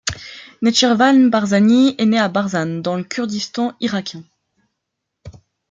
Netchirvan Barzani est né à Barzan dans le Kurdistan irakien.